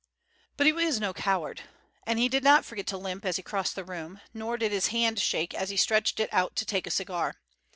But he was no coward, and he did not forget to limp as he crossed the room, nor did his hand shake as he stretched it out to take a cigar.